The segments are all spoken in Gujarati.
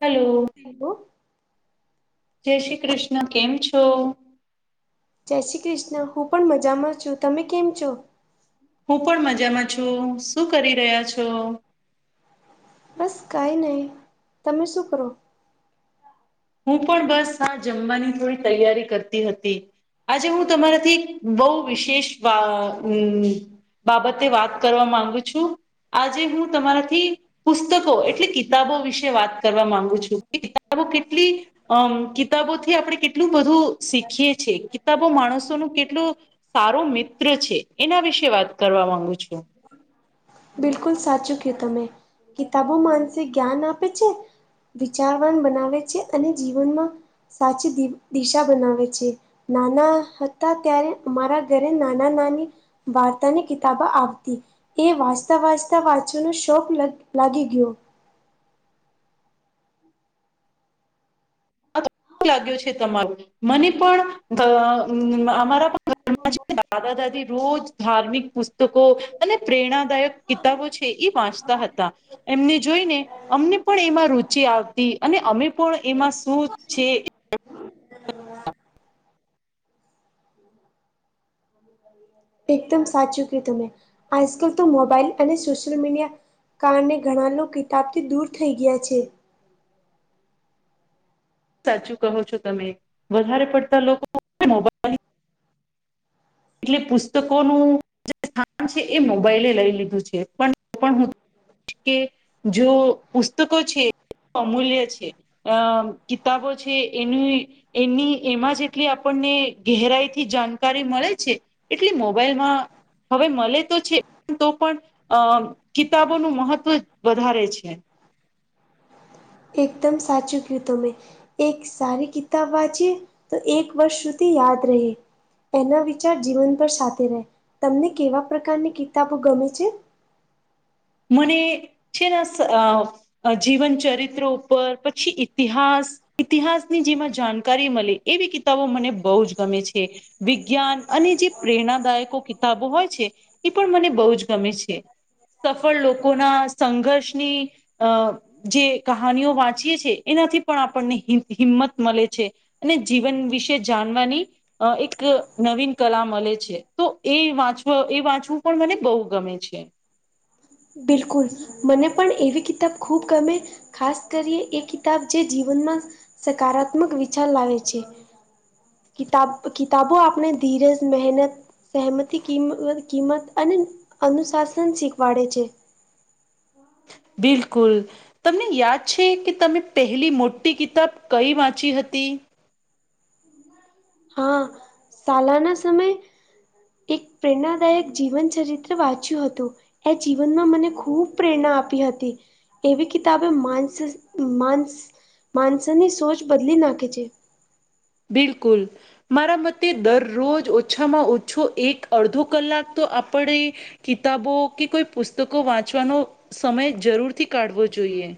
હેલો. [unintelligible] જય શ્રી કૃષ્ણ કેમ છો. જય શ્રી કૃષ્ણ હું પણ મજામાં છું તમે કેમ છો. હું પણ મજામાં છું શું કરી રહ્યા છો. બસ કાંઈ નહીં તમે શું કરો. હું પણ બસ આ જમવાની થોડી તૈયારી કરતી હતી. આજે હું હા તમારાથી બહુ વિશેષ વા અમ્મ બાબતે વાત કરવા માંગુ છું આજે હું તમારાથી પુસ્તકો એટલે કિતાબો વિશે વાત કરવા માંગુ છું કે કિતાબો કેટલી અમ કિતાબોથી આપણે કેટલું બધું શીખીએ છીએ કિતાબો માણસોનું કેટલું. સારો મિત્ર છે એના વિશે વાત કરવા માંગુ છું. બિલકુલ સાચું કયું તમે કિતાબો માનસિક જ્ઞાન આપે છે. વિચારવાન બનાવે છે અને જીવનમાં સાચી દિશા બનાવે છે. નાના હતા ત્યારે મારા ઘરે નાના નાની વાર્તાની કિતાબ આવતી એ વાસ તા વાચતા વાંચતા વાંચવાનો શોખ લ લાગી ગયો. હું લાગ્યો છે તમારું મને પણ આ અમ્મ અમારા ઘરમાં છે દાદા દાદી રોજ ધાર્મિક પુસ્તકો અને પ્રેરણાદાયક કિતાબો છે એ વાંચતા હતા એમને જોઈને અમને પણ એમાં રુચિ આવતી અને અમે પણ એમાં શું છે. એકદમ સાચું કીધું તમે આજકાલ તો મોબાઈલ અને સોશિયલ મીડિયા. કારણે ઘણા લોકો કિતાબથી દૂર થઈ ગયા છે. સાચું કહો છો તમે વધારે પડતા લોકો હ મોબાઈલ. એટલે પુસ્તકોનું જે સ્થાન છે એ મોબાઈલે લઈ લીધું છે પણ પણ હું કે જો પુસ્તકો છે અમૂલ્ય છે. અ કિતાબો છે એનુંય. એની એમાં જેટલી આપણને ગેરાઈ થી જાણકારી મળે. છે. એટલે મોબાઈલમાં હવે મળે તો છે તો પણ અ કિતાબોનું મહત્વ વધારે છે. એકદમ સાચું કીયુ તમે. એક સારી કિતાબ વાંચીએ તો એક વર્ષ સુધી યાદ રહે. એના વિચાર જીવન પર સાથે રહે તમને કેવા પ્રકારની કિતાબો ગમે છે. મને છેને અ જીવન ચરિત્રો ઉપર પછી ઇતિહાસ. ઇતિહાસની જેમાં જાણકારી મળે એવી કિતાબો મને બહુ જ ગમે છે. વિજ્ઞાન અને જે પ્રેરણાદાયકો કિતાબો હોય છે એ પણ મને બહુ જ ગમે છે. સફળ લોકોના સંઘર્ષની અ જે કહાનીઓ વાંચીએ છીએ એનાથી પણ આપણને હિંમત મલે છે. અને જીવન વિશે જાણવાની અ એક નવીન કલા મલે છે તો એ વાંચવ એ વાંચવું પણ મને બહ ગમે છે. બિલકુલ. મને પણ એવી કિતાબ ખૂબ ગમે ખાસ કરીએ એ કિતાબ જે જીવનમાં. સકારાત્મક વિચાર લાવે છે. કતાબ કતાબો આપણે ધીરેજ, મહેનત. સહેમતી ક કિંમત અને અનુશાસન શીખવાડે છે. [inaudible] બિલકુલ. તમને યાદ છે કે તમે પહેલી મોટી કિતાબ કઈ વાંચી હતી. હા શાલાના સમયે. એક પ્રેરણાદાયક જીવન ચરિત્ર વાંચ્યું હતું. એ જીવનમાં મને ખૂબ પ્રેરણા આપી હતી. એવી કિતાબે માસ માસ માનસની સોચ બદલી નાખે છે. બિલકુલ. મારા મતે દરરોજ ઓછામાં ઓછો એક અડધો કલાક તો આપડે. કિતાબો કે કોઈ પુસ્તકો વાંચવાનો સમય જરૂરથી કાઢવો જોઈએ.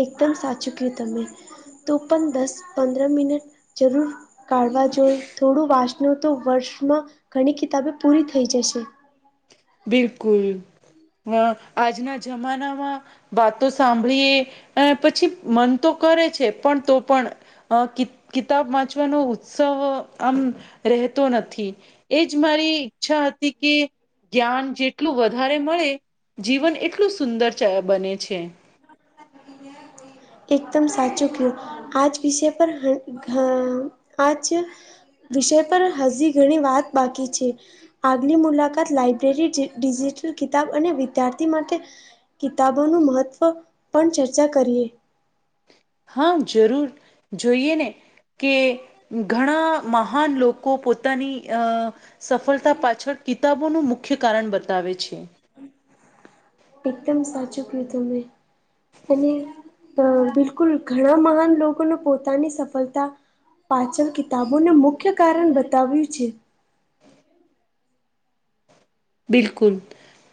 એકદમ સાચું કયું તમે તો પણ દસ પંદર મિનિટ જરૂર. કાઢવા જોય થોડું વાંસનો તો વર્ષમાં ઘણી કિતાબે પૂરી થઈ જશે. બિલકુલ અ આજના જમાનામાં. વાતો સાંભળીએ પછી મન તો કરે છે પણ તો પણ. અ કિ કિતાબ વાંચવાનો ઉત્સવ આમ રહેતો નથી. એજ મારી ઈચ્છા હતી કે જ્ઞાન જેટલું વધારે મળે જીવન એટલું સુંદર બને છે. એકદમ સાચું કિયું આજ વિષય પર હ આજ. વિષય પર હજી ઘણી વાત બાકી છે. આગલી મુલાકાત લાઈબ્રેરી ડિજિટલ કિતાબ અને વિદ્યાર્થી માટે કિતાબોનું મહત્વ પણ ચર્ચા કરીએ. હ જરૂર જોઈએ ને. કે ઘણા મહાન લોકો પોતાની અ. સફળતા પાછળ કિતાબોનું મુખ્ય કારણ બતાવે છે. એકદમ સાચું કીધું મે. અને અ બિલકુલ ઘણા મહાન લોકોને પોતાની સફલતા પાચન કિતાબોને મુખ્ય કારણ બતાવ્યું છે. બિલકુલ.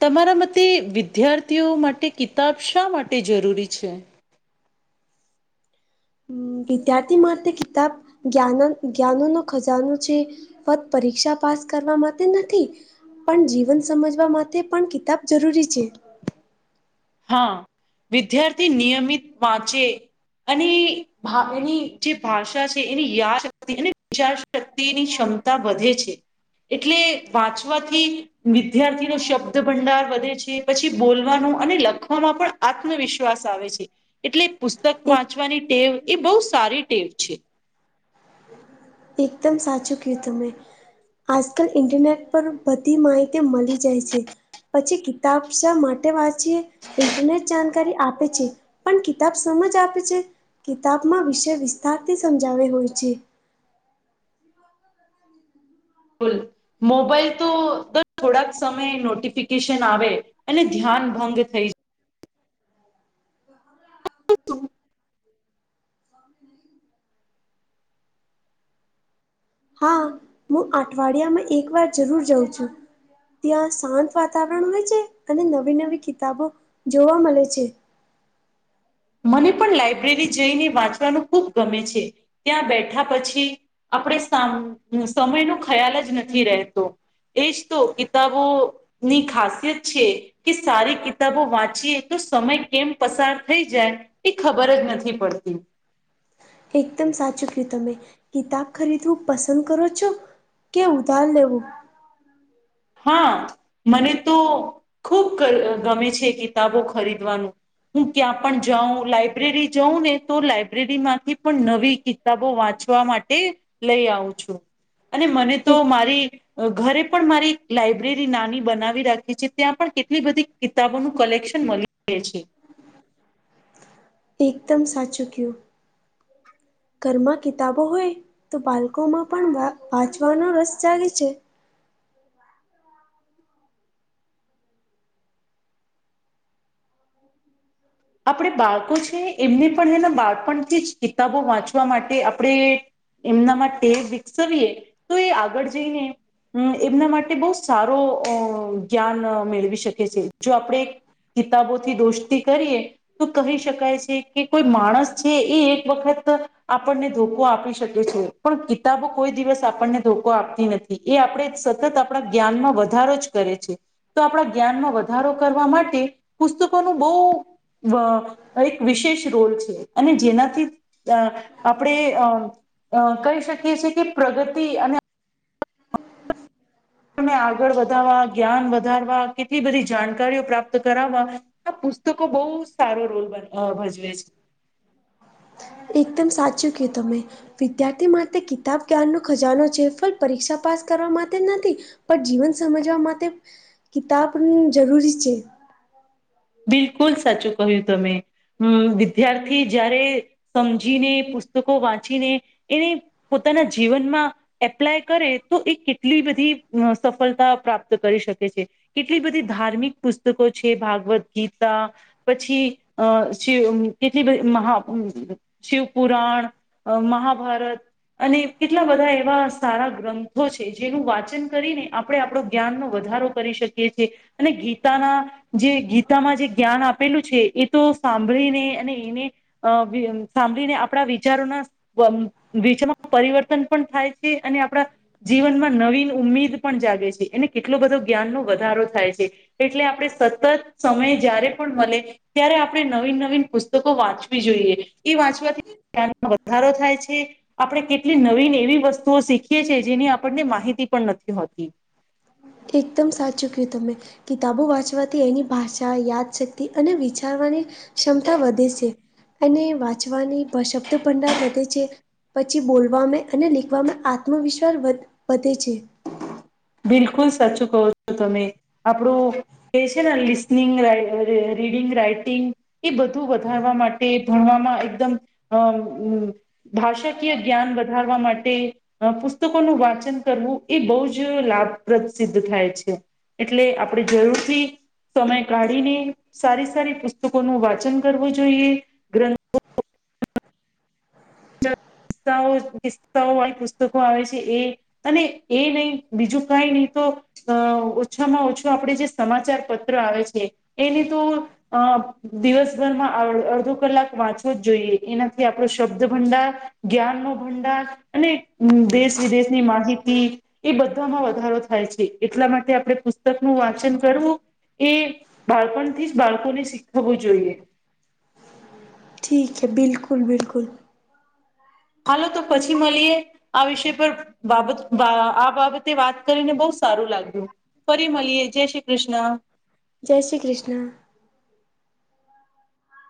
તમારા મતે વિદ્યાર્થીઓ માટે કિતાબ શા માટે જરૂરી છે. વિદ્યાર્થી માટે કિતાબ જ્ઞાન જ્ઞાનોનો ખજાનો છે. પત પરીક્ષા પાસ કરવા માટે નથી. પણ જીવન સમજવા માટે પણ કિતાબ જરૂરી છે. હા વિદ્યાયર્થી નિયમિત વાંચે. અને હા એની જે ભાષા છે એની યાદ શક્તિ અને વિચાર શક્તિની ક્ષમતા વધે છે. એટલે વાંચવાથી વિદ્યાર્થીનો શબ્દ ભંડાર વધે છે. પછી બોલવાનું અને લખ લખવામાં પણ આત્મવિશ્વાસ આવે છે એટલે પુસ્તક એક વાંચવાની ટેવ એ બહુ સારી ટેવ છે. એકદમ સાચું કિધુ મે. આજકાલ ઇન્ટરનેટ પર બધી માહિતી મળી જાય છે. પછી કિતાબ શા માટે વાંચીએ ઇન્ટરનેટ જાણકારી આપે છે. પણ કિતાબ સમજ આપે છે કિતાબમાં વિષય વિસ્તારથી સમજાવેલો હોય છે. બોલો. મોબાઈલ તો દર થોડાક સમયે નોટિફિકેશન આવે. અને ધ્યાન ભંગ થઈ. હમ્મ. હા હું અઠવાડિયામાં એક વાર જરૂર જઉં છું. ત્યાં શાંત વાતાવરણ હોય છે અને નવી નવી કિતાબો જોવા મળે છે. મને પણ લાઈબ્રેરી જઈને વાંચવાનું ખૂબ ગમે છે ત્યાં બેઠા પછી આપણે સામ સમય નો ખ્યાલ જ નથી રહેતો. એજ તો કિતાબો ની ખાસિયત છે કે સારી કિતાબો વાંચીએ તો સમય કેમ પસાર થઈ જાય એ ખબર જ નથી પડતી. એકદમ સાચું કિધુ તમે કિતાબ ખરીદવું પસંદ કરો છો? કે ઉધાર લેવું. હા મને તો ખુબ ગ ગમે છે કિતાબો ખરીદવાનું હું ક્યાં પણ જાઉં લાઈબ્રેરી જઉં ને તો લાઈબ્રેરીમાંથી પણ નવી કી કિતાબો વાંચવા માટે લઈ આવું છું. અને મને તો એક મારી ઘરે પણ મારી લાઈબ્રેરી નાની બનાવી રાખે છે ત્યાં પણ કેટલી બધી કિતાબોનું કલેક્શન મળી રહે છે. એકદમ સાચું કયું ઘરમાં કિતાબો હોય તો બાળકોમાં પણ વા વાંચવાનો રસ જાગે છે. [unintelligible] આપણે બાળકો છે એમને પણ એના બાળપણથી જ કિતાબો વાંચવા માટે આપણે એમનામાં ટેવ વિકસાવીએ તો એ આગળ જઈને હમ્મ એમના માટે બહુ સારો અ જ્ઞાન મેળવી શકે છે જો આપણે કિતાબો થી દોસ્તી કરીએ. તો કહી શકાય છે કે કોઈ માણસ છે એ એક વખત આપણને ધોકો આપી શકે છે. પણ કિતાબો કોઈ દિવસ આપણને ધોકો આપતી નથી એ આપણે સતત આપણા જ્ઞાનમાં વધારો જ કરે છે તો આપણા જ્ઞાનમાં વધારો કરવા માટે પુસ્તકોનું બહ વા એક વિશેષ રોલ છે અને જેનાથી અ આપણે અ અ કહી શકીએ છીએ કે પ્રગતિ અને તને આગળ વધારવા જ્ઞાન વધારવા કેટલી બધી જાણકારીઓ પ્રાપ્ત કરાવવા આ પુસ્તકો બહુ સારો રોલ હ ભજવે છે. એકદમ સાચું ક તમે. વિદ્યાર્થી માટે કિતાબ જ્ઞાન નો ખજાનો છે ફલ પરીક્ષા પાસ કરવા માટે નથી. પણ જીવન સમજવા માટે કિતાબ નુ જરૂરી છે. બિલકુલ સાચું કહ્યું તમે હમ વિદ્યાર્થી જ્યારે સમજીને પુસ્તકો વાંચીને એને પોતાના જીવનમાં એપ્લાય કરે તો એ કેટલી બધી સફળતા પ્રાપ્ત કરી શકે છે. કેટલી બધી ધાર્મિક પુસ્તકો છે ભાગવદ ગીતા પછી અ શિવ કેટલી બધી મહા શિવપુરાણ અ મહાભારત અને કેટલા બધા એવા સારા ગ્રંથો છે જેનું વાચન કરીને આપણે આપણો જ્ઞાનનો વધારો કરી શકીએ છે અને ગીતાના જે ગી તામાં જે જ્ઞાન આપેલું છે એ તો સાંભળીને અને એને અ સાંભળીને આપણા વિચારોના વમ વિચમાં પરિવર્તન પણ થાય છે અને આપણા જીવનમાં નવીન ઉમીદ પણ જાગે છે એને કેટલો બધો જ્ઞાનનો વધારો થાય છે. એટલે આપણે સતત સમય જ્યારે પણ મલે ત્યારે આપણે નવીન નવીન પુસ્તકો વાંચવી જોઈએ એ વાંચવાથી ધ્યાનમાં વધારો થાય છે. આપણે કેટલી નવીન એવી વસ્તુઓ શીખીએ છીએ જેની આપણને માહિતી પણ નથી હોતી. એકદમ સાચું કયું તમે. કિતાબો વાંચવાથી એની ભાષા યાદશક્તિ અને વિચારવાની ક્ષમતા વધે છે અને વાંચવાની શબ્દ ભંડાર વધે છે. પછી બોલવામાં અને લિખવામાં આત્મવિશ્વાસ વધ વધે છે. બિલકુલ સાચું કહો છો તમે આપણું એ છેના લિસનિંગ રાઇ ર રીડીગ રાઈટિંગ એ બધું વધારવા માટે ભણવામાં એકદમ અ ભાષાકીય જ્ઞાન વધારવા માટે પુસ્તકોનું વાંચન કરવું એ બહુ જ લાભપ્રદ સિદ્ધ થાય છે એટલે આપણે જરૂરથી સમય કાઢીને સારી સારી પુસ્તકોનું વાંચન કરવું જોઈએ. ગ્રંથ તાઓ કિસ્સાઓ વાળી પુસ્તકો આવે છે એ અને એ નહી બીજું કઈ નહી તો અ ઓછામાં ઓછું આપણે જે સમાચાર પત્ર આવે છે એને તો અ દિવસભરમાં અડધો કલાક વાંચવો જ જોઈએ એનાથી આપણો શબ્દ ભંડાર જ્ઞાન નું ભંડાર અને દેશ વિદેશની માહિતી એ બધામાં વધારો થાય છે એટલા માટે આપણે પુ સ્તક નું વાંચન કરવું એ બાળપણથી જ બાળકોને શીખવવું જોઈએ. ઠીક હે બિલકુલ બિલકુલ. હાલો તો પછી મળીએ. આ વિષય પર બાબત આ બાબતે વાત કરીને બહુ સારું લાગ્યું. ફરી મલીએ જય શ્રી કૃષ્ણ. જય શ્રી કૃષ્ણ.